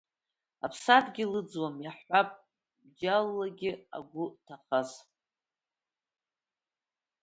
Аԥсадгьыл ыӡӡауам, иаҳҳәап, џьаллагьы агәы ҭахаз…